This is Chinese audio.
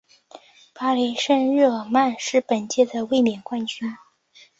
巴黎圣日耳曼是本届的卫冕冠军。